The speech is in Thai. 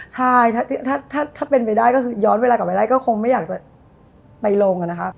ใช่ถ้าเป็นไปได้ก็คือย้อนเวลากลับไปได้ก็คงไม่อยากจะไปลงนะครับ